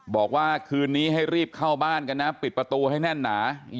บอกว่าคืนนี้ให้รีบเข้าบ้านกันนะ